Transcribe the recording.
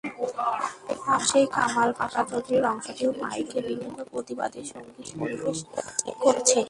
পাশেই কামাল পাশা চৌধুরীর অংশটিও মাইকে বিভিন্ন প্রতিবাদী সংগীত পরিবেশন করছে।